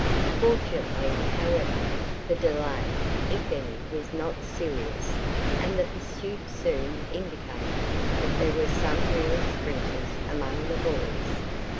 Fortunately, however, the delay, if any, was not serious, and the pursuit soon indicated that there were some real sprinters among the boys.